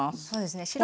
そうですね